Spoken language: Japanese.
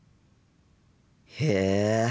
へえ。